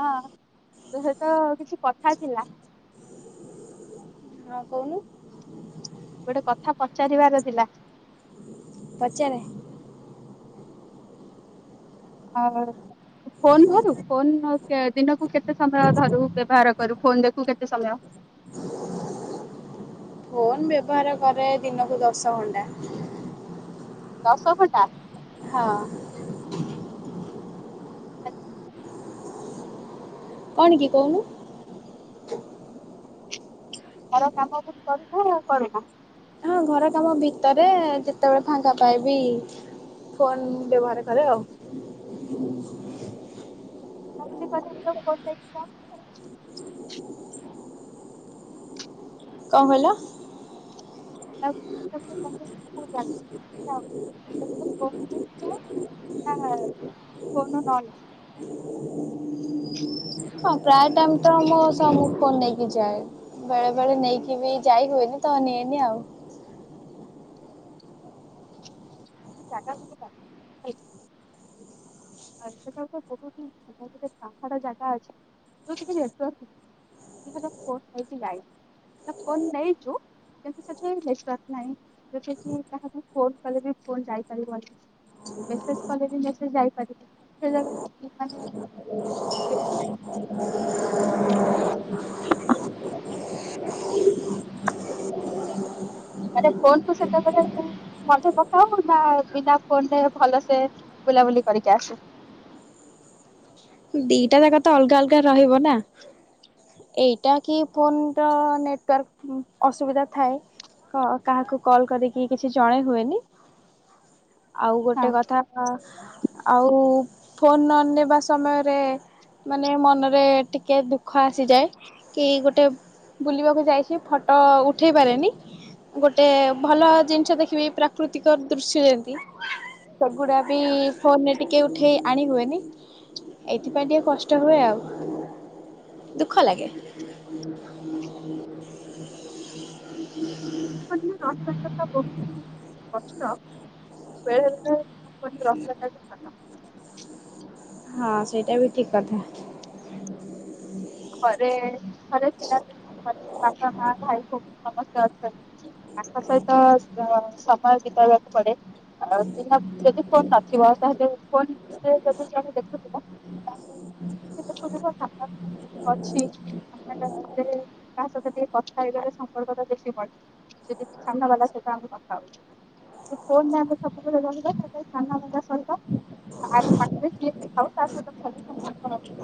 ହଁ ସେତ କିଛି କଥା ଥିଲା। ହଁ କୋହୁନୁ। ଗୋଟେ କଥା ପଚାରିବାର ଥିଲା। ପଚାରେ। ଆଉ ଫୋନ ଧରୁ ଫୋନ କେ ଦିନକୁ କେତେ ସମୟ ଧରୁ ବ୍ୟବହାର କରୁ ଫୋନ ଦେଖୁ କେତେ ସମୟ? ଫୋନ୍ ବ୍ୟବହାର କରେ ଦିନକୁ ଦଶ ଘଣ୍ଟା। ଦଶ ଘଣ୍ଟା। ହଁ। କଣ କି କୋହୁନୁ। ତାର କାମ ଠିକ କରୁଚ କରୁନ। ହଁ ଘର କାମ ଭିତରେ ଯେତେବେଳେ ଫାଙ୍କା ପାଏବି ଫୋନ ବ୍ୟବହାର କରେ ଆଉ। [unintelligible] [inaudible] କଣ କହିଲ? [inaudible] [unintelligible] ହଁ ଫୋନ [unintelligible] [inaudible] ହଁ ପ୍ରାଏ ଟାଇମ ତ ମୋ ସ ମୁ ଫୋନ ନେଇକି ଯାଏ। ବେଳେ ବେଳେ ନେଇକି ବି ଯାଇ ହୁଏନି ତ ନିଏନି ଆଉ। ଦାଦା ସୁକୁତା। ଆଉ ସେଟା ବହୁତ ହି ସା ପାହାଡ଼ ଜାଗା ଅଛି [unintelligible] ଫୋନ ନେଇକି ଯାଇ ତା ଫୋନ ନେଇଛୁ। କିନ୍ତୁ ସେଠି ନିଶ୍ଵାସ ନାହିଁ ଯଉଟା କି କାହାକୁ ଫୋନ କଲେ ବି ଫୋ ଯାଇପାରିବନି। ମେସେଜ କଲେବି ମେସେଜ ଯାଇପାରିବ ସେ ଜାଗାରେ ମାନେ ସେମିତି ନାହିଁ [unintelligible] ମତେ ପଥାଉ ପୁଡି ନା ବିନା ଫୋନରେ ଭଲସେ ବୁଲାବୁଲି କରିକି ଆସେ। ଦିଟା ଜାଗା ତ ଅଲଗା ଅଲଗା ରହିବ ନା। ଏଇଟା କି ଫୋନର ନେଟୱାର୍କ ଅସୁବିଧା ଥାଏ। ହ କାହାକୁ କଲ କରିକି କିଛି ଜଣେ ହୁଏନି। ଆଉ ହଁ ଗୋଟେ କଥା ଆଉ ଫୋନ ନ ନେବା ସମୟ ରେ ମାନେ ମନରେ ଟିକେ ଦୁଃଖ ଆସିଯାଏ କି ଗୋଟେ ବୁଲିବାକୁ ଯାଇଛି ଫଟୋ ଉଠେଇ ପାରେନି। ଗୋଟେ ଭଲ ଜିନିଷ ଦେଖିବି ପ୍ରାକୃତିକ ଦୃଶ୍ୟ ଯେତି। ସେଗୁଡ଼ା ବି ଫୋନରେ ଟିକେ ଉଠେଇ ଆଣି ହୁଏନି। ଏଇଥି ପାଇଁ ଟିକେ କଷ୍ଟ ହୁଏ ଆଉ ଦୁଃଖ ଲାଗେ। ହଁ ଝିଅ ରହିବା ସଥା ବହୁତ କଷ୍ଟ ବେଳେବେଳେ [unintelligible] ହଁ ସେଇଟା ବି ଠିକ୍ କଥା। ଘରେ ଘରେ ପିଲାପି ବାପା ମା ଭାଇ ଭଉ ସମସ୍ତେ ଅଛନ୍ତି। ତାଙ୍କ ସହିତ ସ ସମୟ ବିତାଇବାକୁ ପଡ଼େ। ଆଉ ଯ ଯଦି ଫୋନ୍ ନଥିବ ତାହେଲେ ଫୋନ ଯଦି ଜଣେ ଦେଖୁଥିବ [unintelligible] ଅଛି ଆ ତା [unintelligible] ସହିତ ଟିକେ କଥା ହେଇଗଲେ ସମ୍ପର୍କଟା ବେଶୀ ବଢ଼େ। ଯଦି ସାମ୍ନା ଵାଲା ସତ ଆମେ କଥା ହଉଚେ। ଫୋନେ ଆମେ ସବୁବେଳେ ରହିବା ତାଲେ ସାମ୍ନା ଵାଲା ସହିତ [unintelligible]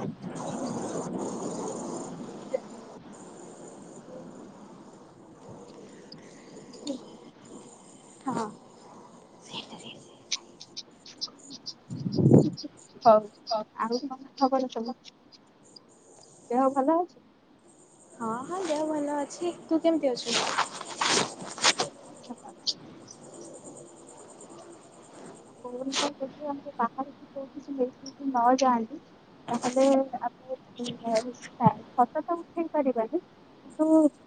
ହୁଁ ହଁ ହଉ ହଉ ଆଉ କଣ ଖବର ସବୁ? ଦେହ ଭଲ ଅଛି? ହଁ ହଁ ଦେହ ଭ ଭଲ ଅଛି ତୁ କେମିତି ଅଛୁ? ଅଛତ ଫୋନଟା ଯଦି ଆମେ ବାହାରକୁ କୋଉଠିକି ନେଇକିକି ନ ଯାଆନ୍ତି ତାହେଲେ ଆମେ [unintelligible] ଫଟତ ଉଠେଇ ପାରିବାନି। [unintelligible]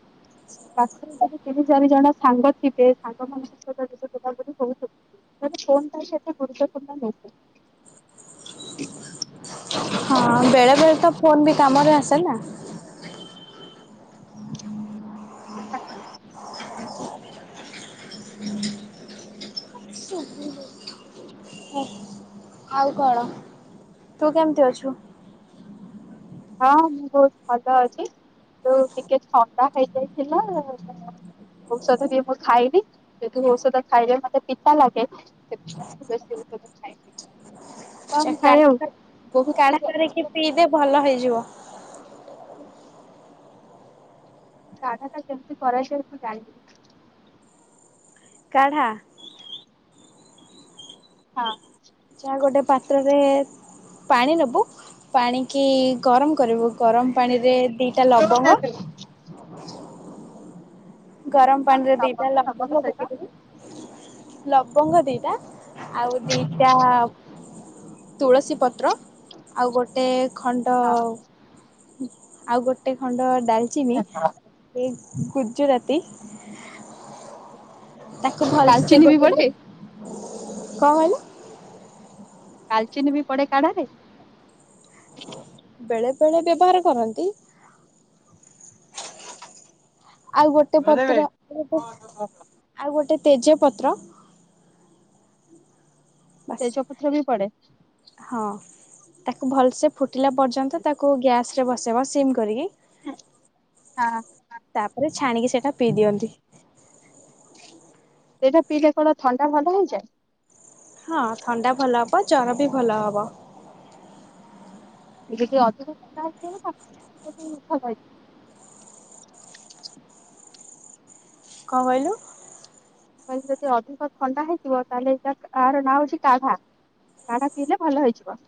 ପାଖରେ ଯଦି ତିନି ଚାରି ଜଣ ସାଙ୍ଗ ଥିବେ ସାଙ୍ଗ ମାନଙ୍କ ସହି ବୁଝା ବୁଝି ହଉଥି ମାନେ ଫୋନଟା କେତେ ଗୁରୁତ୍ୱପୂର୍ଣ [unintelligible] ଅ ବେଳେବେଳେ ତ ଫୋନ ବି କାମରେ ଆସେ ନା। ଆଉ କଣ ତୁ କେମିତି ଅଛୁ? ହଁ ମୁଁ ବହୁତ ଭଲ ଅଛି ତୁ ଟିକେ ଥଣ୍ଡା ହେଇଯାଇଥିଲା। ଔଷଧ ବି ମୁଁ ଖାଇନି ଯେତୁ ଔଷଧ ଖାଇଲେ ମତେ ପିତା ଲାଗେ ସେଥି [inaudible] କଣ ଖାଏ ଆଉ? କାଢା ବହୁ କାଢା [unintelligible] କରିକି ପିଇଦେ ଭଲ ହେଇଯିବ। କାଢ଼ାଟା କେମତି କରାଯାଏ, ତୁ ଜାଣିବୁ। କାଢ଼ା। ହଁ। ଯାହା ଗୋଟେ ପାତ୍ରରେ ପାଣି ନେବୁ, ପାଣିକି ଗରମ କରିବୁ। ଗରମ ପାଣିରେ ଦିଇଟା ଲବଙ୍ଗ, ଗରମ ପାଣିରେ ଦିଇଟା ଲବଙ୍ଗ ପକେଇଦବୁ। ଲବଙ୍ଗ ଦିଟା, ଆଉ ଦିଟା-ଆ ତୁଳସୀ ପତ୍ର। ଆଉ ଗୋଟେ ଖଣ୍ଡ-ଅ ଆଉ, ଗୋଟେ ଖଣ୍ଡ ଡାଲ୍ ଚିନି, ହଁ ଏଇ ଗୁଜୁରାତି ତାକୁ ଭଲ ସେ, ଡାଲଚିନି ବି ଗୋଟେଲେ, ପଡେ କଣ କହିଲ? ଡାଲଚିନ ବି ପଡେ, କାଢା ରେ! ବେଳେ ବେଳେ ବ୍ୟବହାର କରନ୍ତି। ଆଉ ଗୋଟେ ପତ୍ର, [unintelligible] ଆଉ ଗୋଟେ ତେଜ ପତ୍ର ବାସ୍ ତେଜପତ୍ର ବି ପଡେ। ହଁ। ତାକୁ ଭଲସେ ଫୁଟିଲା ପର୍ଯ୍ୟନ୍ତ, ତାକୁ ଗ୍ୟାସ୍ରେ ବସେଇବ ସିମ୍ କରିକି। ହୁଁ, ହଁ। ତା'ପରେ ଛାଣିକି ସେଟା ପିଇ ଦିଅନ୍ତି। ସେଇଟା ପିଇଲେ କଣ ଥଣ୍ଡା ଭଲ ହେଇଯାଏ? ହଁ, ଥଣ୍ଡା ଭଲ ହବ। ଜର ବି ଭଲ ହବ। ଯେବେ ବି ଅଧିକା [inaudible] କଣ କହିଲୁ? କହିଲି ଯଦି ଅଧିକ ଥଣ୍ଡା ହେଇଥିବ, ତାହେଲେ [unintelligible] ୟାର ନାଁ ହେଉଛି କାଢା। କାଢା, ପିଇଲେ ଭଲ ହେଇଯିବ।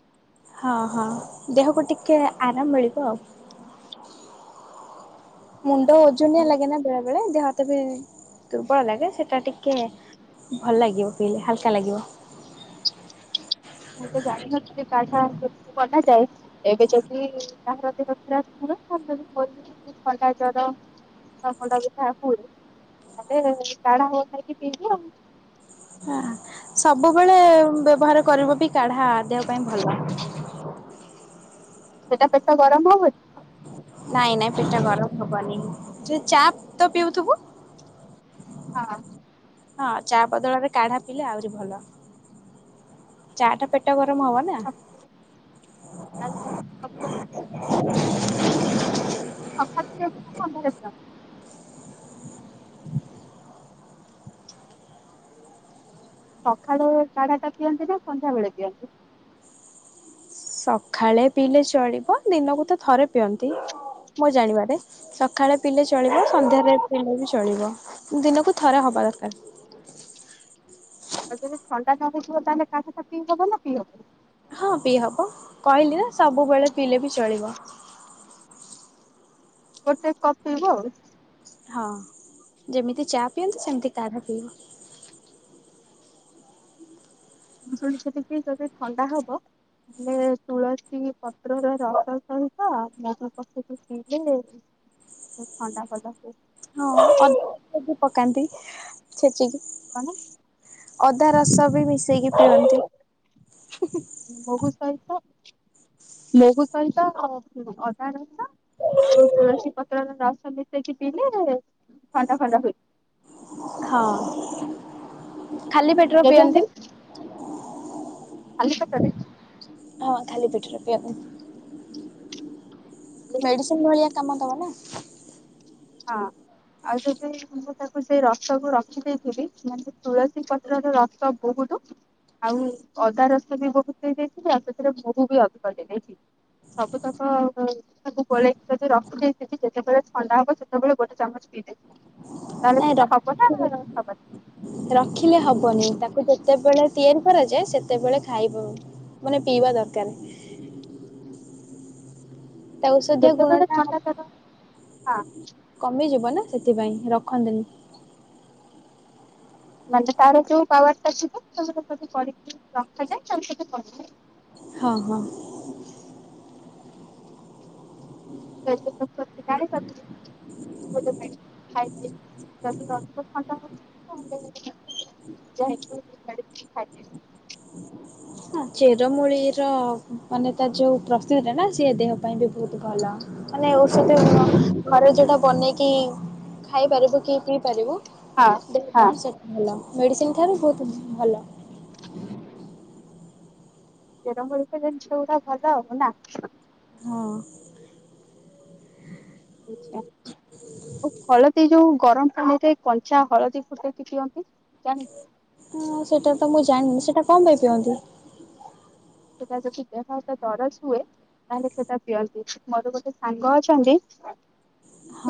ହଁ, ହଁ, ଦେହକୁ ଟିକେ ଆରାମ ମିଳିବ ଆଉ। ମୁଣ୍ଡ ଓଜନିଆ ଲାଗେ ନା ବେଳେ ବେଳେ, ଦେହହାତ ବି ଦୁର୍ବଳ ଲାଗେ ସେଟା ଟିକେ, ଭଲ ଲାଗିବ ପିଇଲେ ହାଲ୍କା ଲାଗିବ। ମୁଁ, ତ ଜାଣିିନଥିଲି, କାଢା କେମିତିବନା ଯାଏ। ଏବେ ଯଦି କାହାର ଦେହ ଖରାପ ଥିବ, [unintelligible] ଥଣ୍ଡା ଜର ମୋର ମୁଣ୍ଡ ବିନ୍ଧା ହୁଏ, ମାନେ-ଏ କଢ଼ା ବନେଇକି ପିଇବି ଆଉ। ହଁ। ସବୁବେଳେ ବ୍ୟବହାର କରିବ ବି, କାଢା ଦେହ ପାଇଁ ଭଲ। ସେଟା ପେଟ ଗରମ ହବନି? ନାଇଁ ନାଇଁ ପେଟ ଟା ଗରମ ହବନି। ଯ ଚା' ତ ପିଉଥୁବୁ? ହଁ। ହଁ, ଚା' ବଦଳରେ କାଢା ପିିଲଲେ ଆହୁରି ଭଲ। ଚା' ଟା ପେଟ ଗରମ ହବ ନା! ଆ [inaudible] ଅଖାଦ୍ୟକୁ [inaudible] ସକାଳୁ କାଢା ଟା ପିଅନ୍ତି ନା, ସନ୍ଧ୍ୟାବେଳେ ପିଅନ୍ତି? ସଖାଳେ ପିଇଲେ ଚଳିବ। ଦିନକୁ ତ ଥରେ ପିଅନ୍ତି ମୋ ଜାଣିବାରେ। ସକାଳେ ପିଲେ ଚଳିବ। ସନ୍ଧ୍ୟାରେ ପିଲେ ବି ଚଳିବ। ଦିନକୁ ଥରେ ହବା ଦରକାର। ଆଉ, ଯଦି ଥଣ୍ଡା ନ ହଉଥିବ ତାହେଲେ, କାଢା ଟା ପିଇ ହବ ନା ପିଇ ହବନି? ହଁ, ପିଇ ହବ। କହିଲି ନା ସବୁବେଳେ ପିଇଲେ ବି ଚଳିବ। ଗୋଟେ କପ୍ ପିଇବ ଆଉ। ହଁ, ଯେମିତି ଚା' ପିଅନ୍ତି ସେମିତି କାଢା ପିଇବ। ଶୁଣିଛି [unintelligible] ଯଦି ଥଣ୍ଡା ହବ। ଏ ହେଲେ ତୁଳସୀ ପତ୍ରର ରସ ସହିତ ମହୁ ପକେଇକି ପିଲେ। ଥଣ୍ଡା ପଦା [unintelligible] ହଁ ଅଧା ପକାନ୍ତି ଛେଚିକି କଣ ଅଦା ରସ ବି ମିଶେଇକି ପିଅନ୍ତି। ମହୁ ସହିତ ମହୁ ସହିତ ଅ ଅଦା ରସ ତୁଳସୀ ପତ୍ର ର ରସ ମିଶେଇକି ପିଇଲେ ଥଣ୍ଡା ଫଣ୍ଡା ହୁଏ। ହଁ ଖାଲି ପେଟରେ ଯଦି ପିଅନ୍ତି। ଆମେ ଖାଲି ପେଟରେ ହଁ ଖାଲି ପେଟରେ ପିଅନ୍ତି। ହଁ ମେଡିସିନ ଭଳିଆ କାମ ଦବ ନା। ହଁ। ଆଉ ଯଦି ମୁଁ ତାକୁ ସେଇ ରସକୁ ରଖି ଦେଇଥିଲି [unintelligible] ତୁଳସୀ ପତ୍ରର ରସ ବହୁତ ଆଉ ଅଦା ରସ ବି ବହୁତ ଦେଇଯାଇଥିଲ ଆଉ ସେଥିରେ ମହୁ ବି ଅଧିକ ଦେଇ ଦେଇଥିଲି। ସବୁ ତକ ତାକୁ ଗୋଳେଇକି ଯଦି ରଖି ଦେଇଥିବି ସେତେବେଳେ ଥଣ୍ଡା ହବ ସେ ସବୁବେଳେ ଗୋଟ ଚାମଚ ପିଇ ଦେବି। ନାଇଁ [unintelligible] ରଖିଲେ ହବନି ତାକୁ ଯେତେବେଳେ ତିଆରି କରାଯାଏ ସେତେବେଳେ ଖାଇବ। ମାନେ ପିଇବା ଦରକାର। ତାକୁ ଔଷଧୀୟ ଯେତେବେଳେ ଗୁଣଟା ଥଣ୍ଡା ତାର ହଁ କମିଯିବ ନା ସେଥିପାଇଁ ରଖନ୍ତିନି। ମାନେ ତାର ଯୋଉ ପାୱାର ଟା ଥିବ [unintelligible] କରିକି ରଖାଯାଏ [unintelligible] ହଁ ହଁ। [unintelligible] [unintelligible] [unintelligible] ହ ଚେରମୂଳି ର ମାନେ ତା ଯୋଉ ପ୍ରସ୍ତୁତ ଥିଲା ନା ସି ଦେହ ପାଇଁ ବି ବହୁତ ଭଲ। ମାନେ ଔଷଧୀୟ ଗୁଣ ଘର ଯୋଟା ବନେଇକି ଖାଇପାରିବୁ କି ପିଇପାରିବୁ ହଁ ଦେହ ହଁ ପାଇଁ ସେଇଟା ଭଲ ମେଡ଼ିସିନ ଠାରୁ ବହୁତ ଭଲ। ତେରମୂଳିକା ଯଦି ଯୋଉଟା ଭଲ ହବ ନା। ହଁ। ଆଚ୍ଛା। ଓ ହଳଦୀ ଯୋଉ ଗରମ ପାଣିରେ କଞ୍ଚା ହଳଦୀ ଫୁଟେଇକି ଦିଅନ୍ତି ଜାଣିଛ ହଁ ସେଇଟା ତ ମୁଁ ଜାଣିନି ସେଇଟା କଣ ପାଇଁ ପିଅନ୍ତି? ସେଟା ଯଦି ଦେହହାତ ଦରଜ ହୁଏ। ତାହେଲେ ସେଟା ପିଅନ୍ତି ମୋର ଗୋଟେ ସାଙ୍ଗ ଅଛନ୍ତି।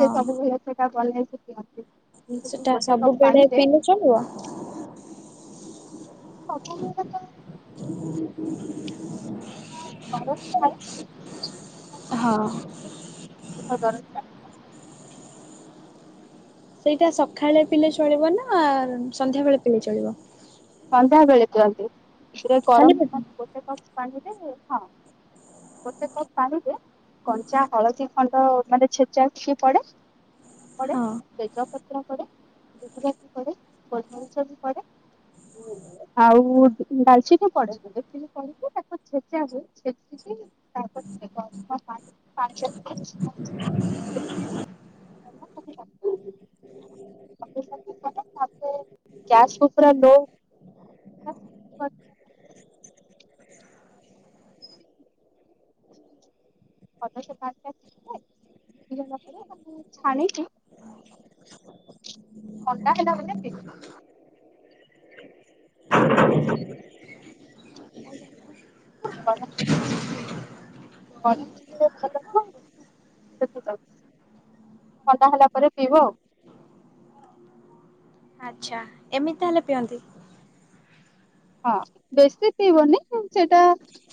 ସିଏ ସବୁବେଳେ ସେଟା ବନେଇକି ପିଅନ୍ତି। ଏମିତି ସେଟା ଗୋଟେ କପ୍ ସବୁବେଳେ ପାଣିରେ ପିଇଲେ ଚଳିବ? ସବୁବେଳେ ତ ହ [unintelligible] ହଁ। [unintelligible] ସେଇଟା ସକାଳେ ପିଲେ ଚଳିବ ନା ସନ୍ଧ୍ୟାବେଳେ ପିଲେ ଚଳିବ। ସନ୍ଧ୍ୟା ବେଳେ ଦିନ୍ତି ଖାଲି ଗରମ ପେଟରେ? ମାନେ ଗୋଟେ କପ ପାଣିରେ ହଁ। ମୋତେ କପ ପାଣିରେ କଞ୍ଚା ହଳଦୀ ଖଣ୍ଡ ମାନେ ଛେଚା ଟିକେ ପଡେ। ପଡେ ହଁ। ତେଜପତ୍ର ପଢେ ଗୁଜୁରାତି ପଢେ ଗୋଲମରିଚ ବି ପଢେ। ଆଉ ଡାଲଚିନ ପଡେ। ତୁ କରିବୁ ତାକୁ ଛେଚା ହୁଏ ଛେଚିକି [unintelligible] ପାଞ୍ଚ ହ କଣ କରୁଛନ୍ତି ଏଠି? ଗ୍ୟାକୁ ପୁରା ଲୋପ [unintelligible] ଅବଶ୍ୟ ପାନଷ୍ଟା ଭିତରେ ହେଇ ସାରଲା ପରେ ତାକୁ ଛାଣିକି ଅଣ୍ଡା ହେଲା ମାନେ ସେ କଲରାବି ମିସେଇଚି। କଡମ୍ ଚିଲିଟା [unintelligible] ଥଣ୍ଡା ହେଲା ପରେ ପିଇବ ଆଉ। ଆଚ୍ଛା ଏମିତି ତାହେଲେ ପିଅନ୍ତି? ହଁ ବେଶୀ ପିବନି ସେଇଟା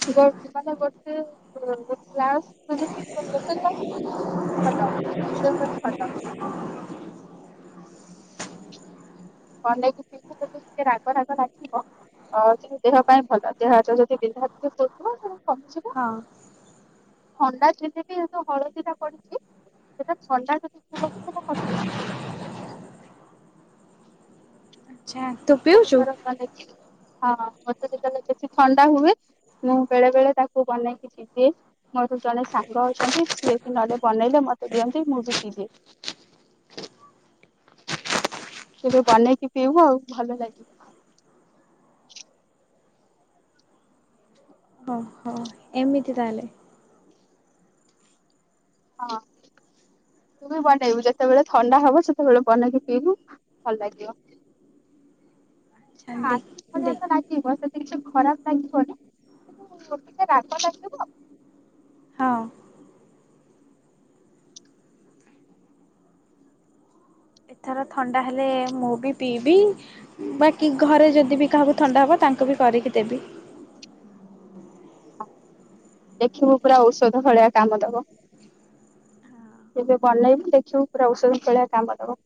ସିଏ ସେମାନେ ଗୋଟେ ଗୋଟେ ଲାଷ୍ଟ [unintelligible] ବୋହୁତ ଭଲ [unintelligible] କନେଇକି ପିବୁ ଟିକେ ରାଗ ରାଗ ଲାଗିଥିବ। ଆଉ ତୋ ଦେହ ପାଇଁ ଭଲ ଦେହ ହାତ ଯଦି ବିନ୍ଧା ହଉଥିବ କଣ କମିଯିବ। ହଁ। ଥଣ୍ଡା ଚିନି ବି କିନ୍ତୁ ହଳଦୀ ଟା ପଡିଛି। ସେଟା ଥଣ୍ଡା ଯଦି ଥିବକି ସେଟା କଟିଯିବ। ଛା ବହୁତ ଥର କଣ ହେଇଚି ହଁ ମତେ ଯେତେବେଳେ ବେଶି ଥଣ୍ଡା ହୁଏ ମୁଁ ବେଳେ ବେଳେ ତାକୁ ବନେଇ କିଛି ଇବେ ମୋର ଜଣେ ସାଙ୍ଗ ଅଛନ୍ତି ସିଏ ବି ନହେଲେ ବନେଇଲେ ମତେ ଦିଅନ୍ତି ମୁଁ ବି ଦିି ଦିଏ। କେବେ ବନେଇକି ପିଇବୁ ଆଉ ଭଲ ଲାଗିବ। ଓହୋ। ଏମିତି ତାହେଲେ ହଁ। ତୁ ବି ବନେଇବୁ ଯେତେବେଳେ ଥଣ୍ଡା ହବ ସେତେବେଳେ ବନେଇକି ପିଇବୁ ଭଲ ଲାଗିବ। ଆଚ୍ଛା ଦେଖ ହାତିକ୍ ଭଳିଆ ଦେଖ ତ ନାଚିବ ସେଠୀ କିଛି ଖରାପ ଲାଗିବନି କିନ୍ତୁ ଟିକେ ରାଗ ଲାଗିବ। ହଁ। ଏଥର ଥଣ୍ଡା ହେଲେ ମୁଁ ବି ପିଇବି। ବାକି ଘରେ ଯଦି ବି କାହାକୁ ଥଣ୍ଡା ହବ ତାଙ୍କୁ ବି କରିକି ଦେବି। ଦେଖିବୁ ପୁରା ଔଷଧ ଭଳିଆ କାମ ଦବ। ଏବେ ବନେଇବୁ ଦେଖିବୁ ପୁରା ଔଷଧ ଭଳିଆ କାମ ଦବ।